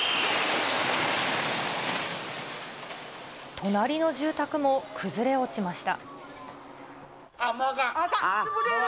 隣の住宅も崩れ落ちました。